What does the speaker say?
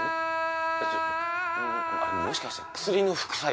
あもしかして薬の副作用？